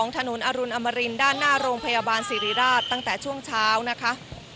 ถนนอรุณอมรินด้านหน้าโรงพยาบาลศิริราชตั้งแต่ช่วงเช้านะคะ